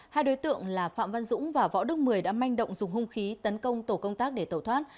hai đối tượng là phạm văn dũng và võ đức mười đã manh động dùng hung khí tấn công tổ công tác để tẩu thoát